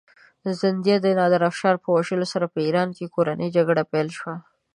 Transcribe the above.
زندیه د نادرافشار په وژلو سره په ایران کې کورنۍ جګړه پیل شوه.